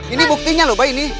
ini buktinya lho pak ini